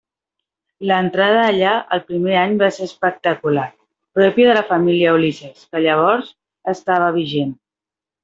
L'entrada allà el primer any va ser espectacular, pròpia de la Família Ulisses, que llavors estava vigent.